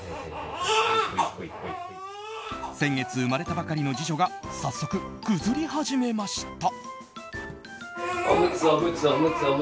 先月生まれたばかりの次女が早速、ぐずり始めました。